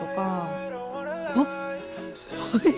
あっ！